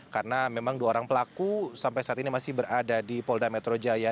karena memang dua orang pelaku sampai saat ini masih berada di polda metro jaya